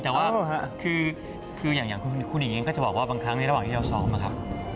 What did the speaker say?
แต่ว่าคืออย่างคุณหญิงเองก็จะบอกว่าบางครั้งในระหว่างที่เราซ้อมนะครับ